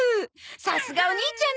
さすがお兄ちゃんね。